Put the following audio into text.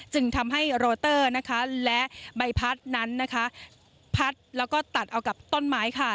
จึงทำให้โรเตอร์และใบพัดนั้นนะคะพัดแล้วก็ตัดเอากับต้นไม้ค่ะ